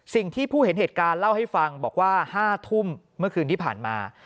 ผู้เห็นเหตุการณ์เล่าให้ฟังบอกว่า๕ทุ่มเมื่อคืนที่ผ่านมา